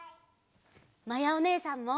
まやおねえさんも！